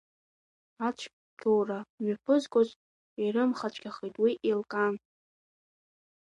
Ацәгьоура мҩаԥызгоз ирымхацәгьахеит, уи еилкаан.